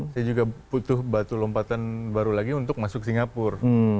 saya juga butuh batu lompatan baru lagi untuk masuk singapura